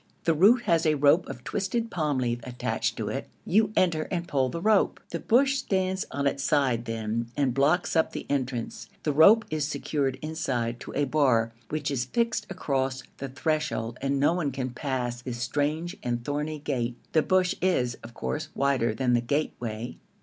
The root has a rope of twisted palm leaf attached to it. You enter and pull the rope. The bush stands on its side then and blocks up the entrance; the rope is secured inside to a bar which is fixed across the threshold and no one can pass this strange and thorny gate. The bush is, of course, wider than the gateway.